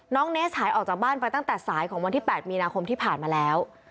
เนสหายออกจากบ้านไปตั้งแต่สายของวันที่๘มีนาคมที่ผ่านมาแล้ว